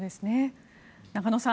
中野さん